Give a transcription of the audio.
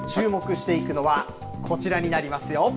していくのはこちらになりますよ。